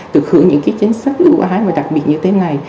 được hưởng những cái chính sách ưu ái và đặc biệt như thế này